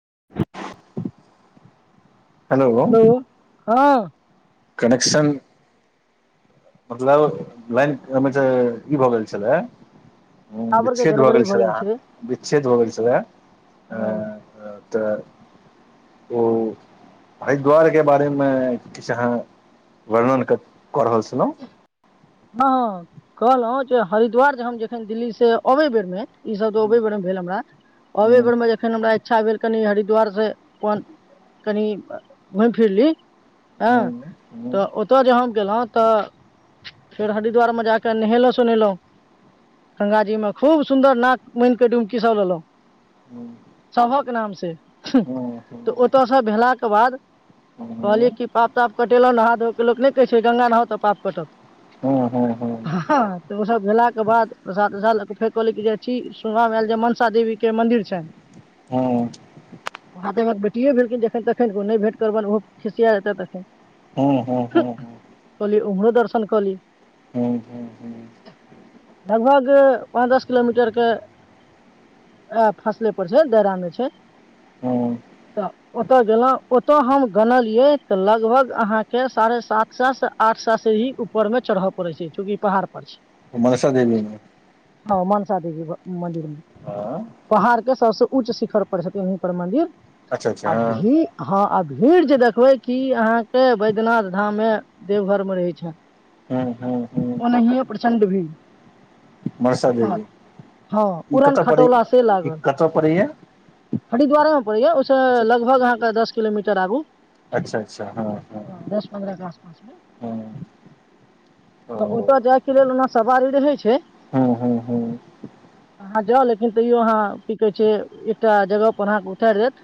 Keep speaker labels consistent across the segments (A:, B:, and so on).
A: [unintelligible] Hello
B: बहुत हँ
A: connection मतलब लाइन ओमे त ई भऽ गेल छलै ह
B: टावर के
A: विच्छेद भ
B: गड़बड़ी
A: गेलल
B: भऽ
A: छल
B: जाइ छै
A: विच्छेद भगल छलद
B: हँ
A: आ तऽ ओ हरिद्वारके बारेमे किछु अहाँ वर्णन क कऽ रहल छलहँ।
B: हँ कहलहु जे हरिद्वार जे हम जखन दिल्ली से अबे बेर मे ई सब तो ओवे बेर मे भेल हमरा औवे बेर में जखन हमरा इच्छा भेल कनि हरिद्वार से अपन कनि घुमि फिर ली हँ तऽ ओतय ज गेलहुँ तऽ फेर हरिद्वारमे जााके नहेलहुँ सोनेलहुँ गंगाजी मे खूब सुन्दर नाक मुइन कऽ डुमकी सभ लेलहुँ। सभक नाम से तऽ ओतऽ सब भेला के बाद कहलिय कि पाप ताप कटेलहु नहा धो के। के लोक नहि कहै छै गंगा नहाऊ तऽ पाप कटत। तऽ ओ सब भेलाके बाद प्रसाद उसाद फेर कहली जे जा छी सुनबामे आयल जे मनसा देवी के मंदिर छैय।
A: हूँ।
B: कओ भेलखिन जखन तखन नहि भेटबनि ओहो खिसिया जेतै तखन
A: हू हू ह ह
B: संनकली
A: ह्म ह्म ह
B: लगभग पाँच दस किलोमीटर के फासले पर छैय दायरा मे छैय। तऽ ओतऽ गेलहँ। ओतो हम गन लिये ते लगभग अहाँ के साढ़े सात स से आठ स से ही ऊपर में चढ़ऽ पड़े छै चूँकि पहाड़ पर छै
A: मनषा देवीमे
B: हँ मनसा देवी मंदिर मे पहाड़ के सबसे उच्च शिखर पर छथिन हुनकर मंदिर
A: अच्छा अच्छा
B: अभी हँ अभ भीड़ जे देखबे की अहाँ के बैद्यनाथ धाम मे देवघर में रहे छ
A: हँ
B: ओनाए प्रचं्ड भी
A: मनसा
B: हा
A: देवी
B: हा
A: ई कतऽ पड़ै
B: उड़नखटोला सेहो
A: ई
B: लागत
A: कतऽ पड़ैया
B: हरिद्वारे मे पडइये उस
A: अच्छा
B: लगभग अहाँक दस किलोमीटर आगू
A: अच्छा अच्छा हँ हँ
B: पचमे [unintelligible]
A: हँ
B: ओतऽ
A: ओ
B: जायके लेल ओ सवारी रहै छै
A: हूँ हूँ हूँ
B: अहाँ जाउ लेकिन तैयो अहाँ की कहै एकटा जगह पर अहाँ उतारि देत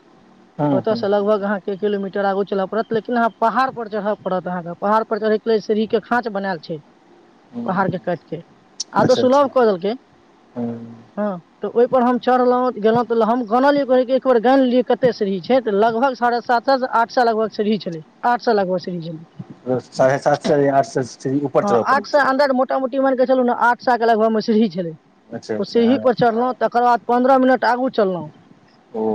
A: हूँ
B: ओतयसँ
A: हूँ
B: लगभग अहाँके किलोमीटर आगू चलय पड़त लेकिन अह पहाड़ पर चढ़ पड़तहाँके पहाड़ पर प सीढ़ी के खाच बनायल छै पहाड़
A: हूँ
B: के काट के आ तऽ
A: अच्छा अच्छा
B: सुलभ को देलके
A: हूँ
B: हँ तऽ ओहिपर हम चढ़लहुँ गेलहुँ तऽ हम गान लियै कहै एक बेर गानि लेलियै कतेक सीढ़ी छै तऽ लगभग साढ़े सात सए आठ सए लगभग सीढ़ी छलै आठ सए लगभग सीढ़ी छलै
A: ब [unintelligible] साढ़े सात सए आठ सए ऊपर चलब पड़ै छै
B: मान के छल ने आठ साल के लगभग मसरीही छलै
A: अच्छा अच्छा
B: ओसेही
A: हँ
B: पर चढ़लहु तकर बाद पन्द्रह मिनट आगू चललहु
A: ओ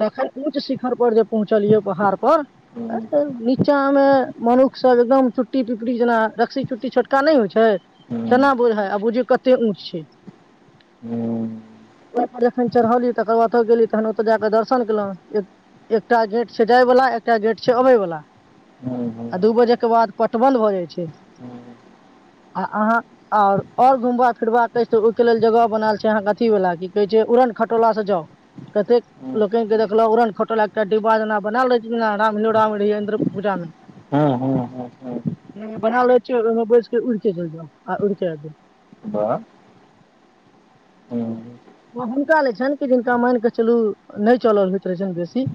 B: तखन ऊँच शिखर पर जे पहुँचलियै पहाड़ पर
A: हूँ
B: नीचा मे मनुख सब एकदम चुट्टी पिपटी जेना रस््सी चुट्टी छोटका नहि होइ छै
A: हूँ
B: केना बुझाइ आ बुझियौ कते ऊच छै
A: हूँ हूँ
B: ओ जखन चढ़ली तकर बाद गेली तहन ओतय जाकऽ दर्शन केलहुँ एकटा गेट से जाय बालला एकटा गेट से अबै बला
A: हूँ हूँ
B: आ दू बजे के बाद पटबध भऽ जाइ छै आ अहाँ आ ओर घुमबा फिरबाका छै ओहिके लेल जगह बनाल छै अहाँके अथी वला की कहै छै उड़न खटोला से जाउ कतेक लोकन के देखल उड़न खटोला के डिब्बा जेना बनाल रह छै रामोरा मे रहिय इन्द पूजा मे
A: हूँ हूँ हूँ हूँ
B: बनाै छिय ओहिमे बैस के उड़िक चलि जाउ आ उड़िक
A: वाह हूँ
B: हुनका ले छनि कि जिनका मान कऽ चलू नहि चलल होइत रहै छनि बेसी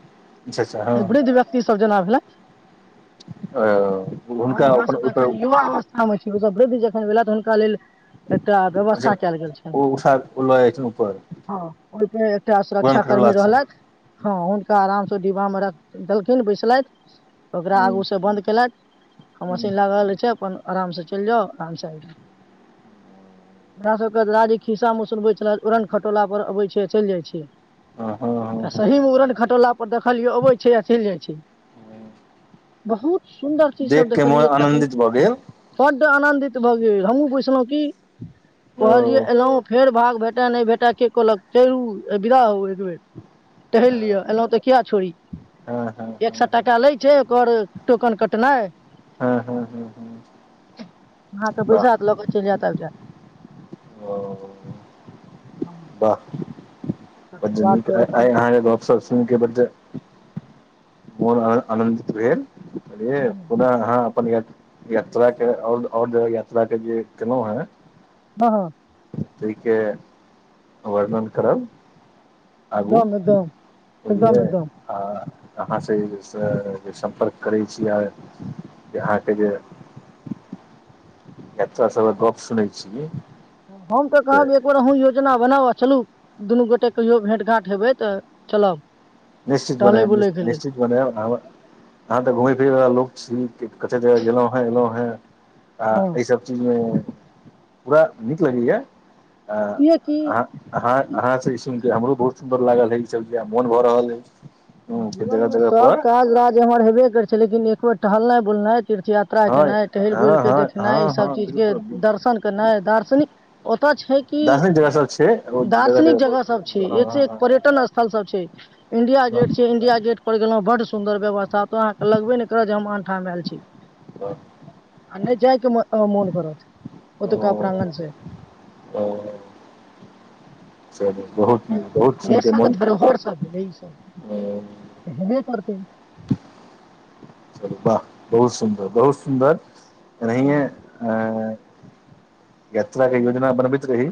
A: अच्छा अच्छा हँ
B: एबड़े व्यक्त सबजनाब हेलो
A: ओ [unintelligible]
B: हम हास
A: अपन
B: तख
A: ओहिपर
B: युव अवस्था मे छै वृद्धि जखन भेला तऽ हुनका लेल एकटा व्यवस्था
A: प
B: कयल गेल छनि
A: ओ उषा उ लनपर
B: ओहिप [unintelligible] टा सुरक्षा कर्मी रहलथि हँ ुनका आराम से डिब्बा मे रख देलखिन बैसलथि ओकरा
A: हूँ
B: आगू से बंन्द केलथि हँ,
A: हूँ
B: मशीन लागल रहै छै अपन आराम से चैल जाउ आराम से ऐब जाउ, अपना सबके ददाजी खिस्सा में सुनबै छला उड़न खटोला पर अबै छै आ चैल जाइ छै।
A: हँ हँ
B: आ
A: हँ
B: सही
A: हँ
B: मे उड़न खटोला पर देखलियै अबै छै आ चैल जाइ छै बहुत सुन्दर चीज सब
A: देख के मन
B: देखलियै तखन
A: आनन्दित भऽ गेल?
B: बड्ड आनंदित भऽ गेल हमहूं घुसलौं की, कहलियै
A: ओ
B: एलौं फेर भाग भेटे- नै- भेटे के कहलक चलू बिदा हौ एक बेर टहैल लिय।
A: हँ
B: एलौं तऽ किये छोड़ी
A: हँ हँ
B: एक से
A: हँ
B: टाका ले छै ओकर टोकन कटनाय अहाँ
A: हँ हँ हँ हँ
B: के बैसा
A: वाह
B: देलक और चैल- जेत ऐब-
A: ओ
B: जेत।
A: ब न अहाँके गपप सुनिक ब मोनन आनन्दित भेलन रे पुदा हाब हमरा यात्रा के ओर- ओर जगह यात्रा के जे केलहुँएं
B: हँ-हँ
A: तै के वर्णन करब। आगू
B: एकदम एकदम
A: बुझलिऐ
B: एकदम एकदम
A: आ अहाँ से जे स-सम्पर्क करै छी आ- अहाँ के जे एत्त स ज गप सुनै छी
B: हम तऽ कहब जे एक बेर अहूं जे जना बनाउ आ चलू, दुनू गोटे कहियो भेंट-घांट हेबै तऽ चलब। टहलै बुलैके लेल
A: निश्चित-निश्-निश्चित बनेब आ हमरा अहाँ क घुमै फिरै बला लोक छी कते जगह गेलोंहें- एलोंहें। आ अइ सब चीज में पूरा नीक लगैये? आ
B: हँ की
A: अहाँ-अहाँ-अहाँ स ई सुन ई हमरो बहुत सुन्दर लागलहे, ई सबजे मन भऽ रहल ऐ। [unintelligible]
B: जीवन मे सब काज- राज एमहर होइ बे करै छै लेकिन एक बेर टहलनाय- बुलनाय तीर्थ यात्रा
A: हँ
B: केनय टहैल बुल्क
A: हँ
B: के
A: हँ हँ
B: देखनाइस सब
A: हँ
B: चीज के
A: बिल्कुल बिल्कुल
B: दर्शन केनाय दार्शनिक ओत छै कि
A: दार्शनिक जगह सब छै ओ जगह
B: दार्शनिक जगह
A: पर।
B: सब छै
A: हँ
B: एक से एक
A: हँ
B: पर्यटन स्थल सब छ इंडिया
A: हँ
B: गेट इंडिया गेट पर गेलौं बड सुन्दर व्यवस्था ओत अहाँके लगबे ने करत जे हम आनठाम एल छी
A: हँ, हँ,
B: आ ने जाय के मो- ओ- मोन करत ओतुका
A: ओ
B: प्रांगण से।
A: ओ चलू बहुत नी,
B: जखन
A: बहुत सुइन के
B: देशक
A: मोन
B: धरोहर सब भेलै ई सब
A: अ,
B: हेबे करतै।
A: चलू वाह बहुत- सुन्दर, बहुत- सुन्दर।
B: हँ
A: एनहिएं-एंँ यात्राके योजना बनबैत रही,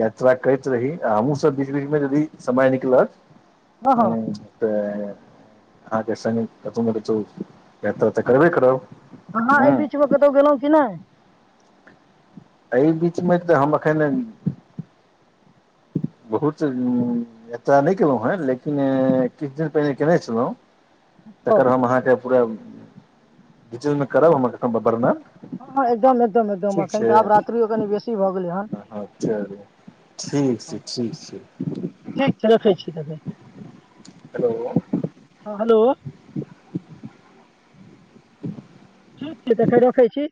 A: यात्रा करैत रही आ हमहूँ सब बीच- बीच में यदि समय निकलत
B: हँ-हँ।
A: अहाँ के संगे कतौ-ने-कतौ यात्रा ते करबे करब।
B: हहं
A: हँ
B: एहि बीच मे कतहु गेलहुँ कि नहि
A: एहि बीचमे तऽ हम एखन बहुत एतय नहि केलहु हेँ लेकिन किछु दिन पहिने केयने छलहुँ तकर
B: नहि
A: हम अहाँके पूरा बीच-में करब हमर अबंबर में।
B: हँ, हँ, एकदम-एकदम-एकदम, एखन तऽ आब रात्रिो कनि बेसी भऽ गेलै हेन।
A: हँ चलू, ठीक छै, ठीक छै।
B: ठीक छै रखै छी ते
A: हेलो।
B: हँ, हेलो। ठीक छै तै रखै छी।